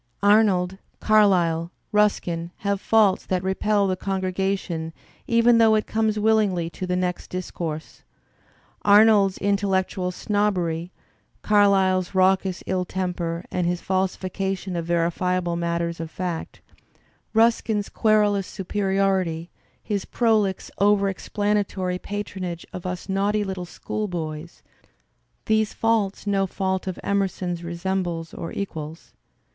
Arnold, Carlyle, Ruskin have faults that repel the congr^ation even though it comes willingly to the next discourse. Arnold's intel lectual snobbery, Carlyle's raucous ill temper and his falsifi cation of verifiable matters of fact, Ruskin's querulous superiority, his prolix over explanatory patronage of us naughty little schoolboys — ^these faults no fault of Emerson's resembles or equals.